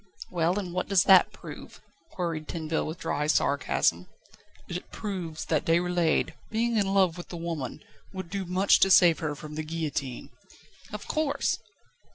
"Well, and what does that prove?" queried Tinville with dry sarcasm. "It proves that Déroulède, being in love with the woman, would do much to save her from the guillotine." "Of course."